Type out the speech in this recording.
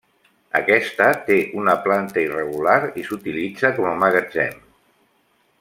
Aquesta té una planta irregular i s'utilitza com a magatzem.